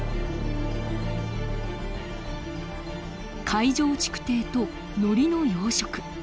海上築堤とノリの養殖。